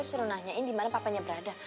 suruh nanyain di mana papanya berada